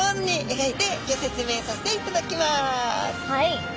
はい。